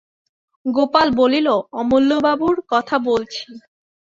গোপাল বলিল, অমূল্যবাবুর কথা বলছি।